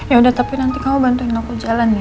ya udah tapi nanti kamu bantuin aku jalan ya